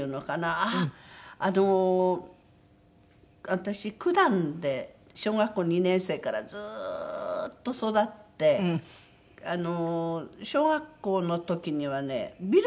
私九段で小学校２年生からずーっと育って小学校の時にはねビルがなかったんです。